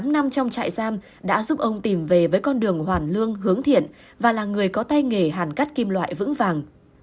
một mươi năm năm trong trại giam đã giúp ông tìm về với con đường hoàn lương hướng thiện và là người có tay nghề hàn cắt kim loại vững vàng